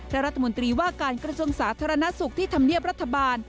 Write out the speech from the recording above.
และรัฐมนตรีว่าการกระทรวงสาธารณสุขที่ธรรมเนียบรัฐบาล